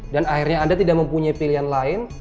dan akhirnya anda tidak mempunyai pilihan lain